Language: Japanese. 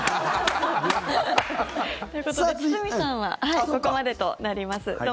ということで堤さんはここまでとなります。